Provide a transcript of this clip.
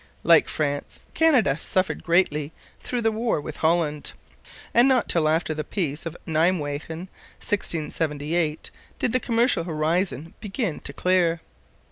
Like France, Canada suffered greatly through the war with Holland, and not till after the Peace of Nimwegen (1678) did the commercial horizon begin to clear.